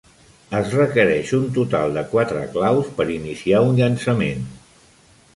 Es requereix un total de quatre claus per iniciar un llançament.